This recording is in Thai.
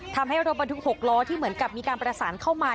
ทำให้รถบรรทุก๖ล้อที่เหมือนกับมีการประสานเข้ามา